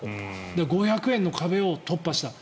５００円の壁を突破した。